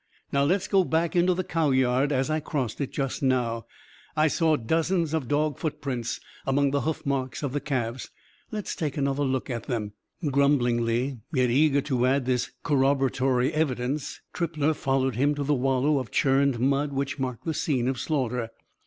Now, let's go back into the cow yard. As I crossed it, just now, I saw dozens of dog footprints, among the hoof marks of the calves. Let's take another look at them." Grumblingly, yet eager to add this corroboratory evidence, Trippler followed him to the wallow of churned mud which marked the scene of slaughter.